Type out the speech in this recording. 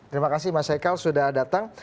terima kasih mas ekal sudah datang